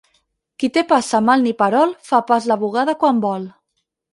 Qui té pas semal ni perol fa pas la bugada quan vol.